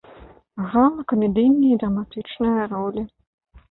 Грала камедыйныя і драматычныя ролі.